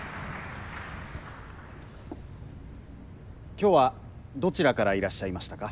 今日はどちらからいらっしゃいましたか？